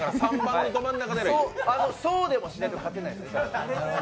そうでもしないと勝てないです。